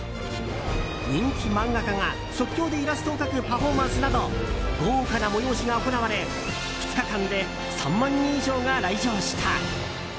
人気漫画家が即興でイラストを描くパフォーマンスなど豪華な催しが行われ２日間で３万人以上が来場した。